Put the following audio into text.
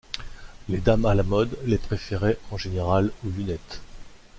Les dames à la mode les préféraient en général aux lunettes.